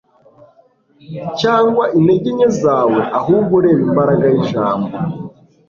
cyangwa intege nke zawe, ahubwo reba imbaraga y'ijambo